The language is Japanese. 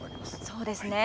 そうですね。